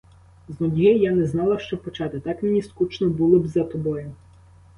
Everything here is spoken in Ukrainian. З нудьги я не знала, що почати, так мені скучно було б за тобою.